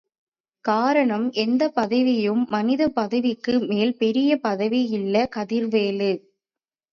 காரணம் எந்த பதவியும், மனிதப் பதவிக்கு மேல் பெரிய பதவி இல்ல. கதிர்வேலு.